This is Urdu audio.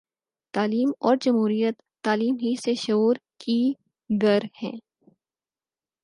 تعلیم اور جمہوریت تعلیم ہی سے شعور کی گرہیں